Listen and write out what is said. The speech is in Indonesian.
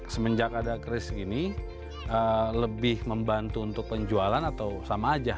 semenjak ada kris gini lebih membantu untuk penjualan atau sama aja